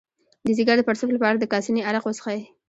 د ځیګر د پړسوب لپاره د کاسني عرق وڅښئ